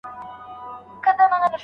نکاح باید ناسمه نه وي.